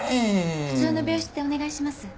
普通の病室でお願いします。